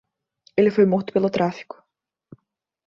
Ele foi morto pelo tráfico.